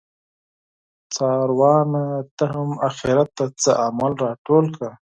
څاروانه ته هم اخیرت ته څه عمل راټول کړه